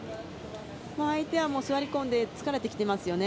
相手は座り込んで疲れてきていますよね。